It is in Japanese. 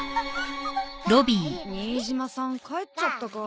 新島さん帰っちゃったか。